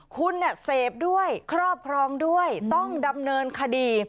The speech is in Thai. คุณเสพด้วยครอบครองด้วยต้องดำเนินคดี